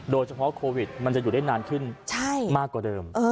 โดยเฉพาะโควิดมันจะอยู่ได้นานขึ้นมากกว่าเดิม